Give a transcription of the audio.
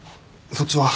そっちは？